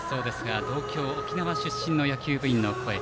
同郷・沖縄出身の野球部員の声。